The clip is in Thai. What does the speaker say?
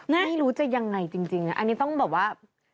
ไม่รู้จะยังไงจริงอันนี้ต้องแบบว่า